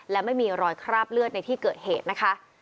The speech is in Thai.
และไม่มีรอยคราบเลือดในที่เกิดเหตุนะคะ